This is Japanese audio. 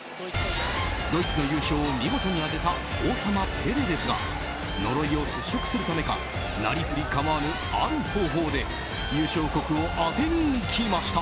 ドイツの優勝を見事に当てた王様、ペレですが呪いを払しょくするためかなりふり構わぬある方法で優勝国を当てにいきました。